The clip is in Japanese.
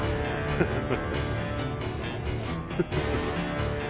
フフフ！